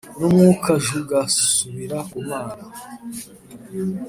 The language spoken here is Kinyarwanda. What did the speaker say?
n umwukajugasubira ku Mana